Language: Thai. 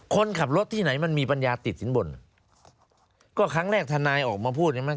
คนขับรถที่ไหนมันมีปัญญาติดสินบนก็ครั้งแรกทนายออกมาพูดใช่ไหม